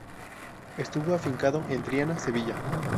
Estuvo afincado en Triana, Sevilla.